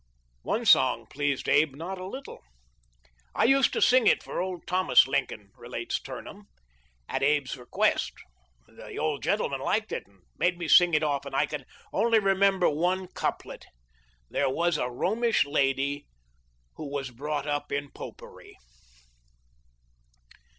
One song pleased Ab not a little. "I used to sing it for old Thomas Lincoln," relates Turnham, " at Abe's request. The old gentleman liked it and made me sing it often. I can only remember one couplet :,"' There was a Romish lady She was brought up in Popery.'